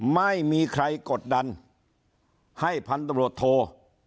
ไม่มีใครกดดันให้พันธบรวจโท